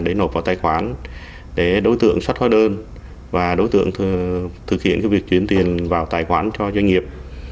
để nộp vào doanh nghiệp